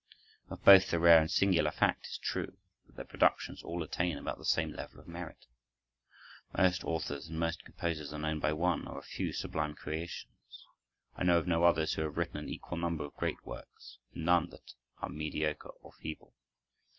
Of both, the rare and singular fact is true, that their productions all attain about the same level of merit. Most authors and most composers are known by one or a few sublime creations. I know of no others who have written an equal number of great works and none that are mediocre or feeble.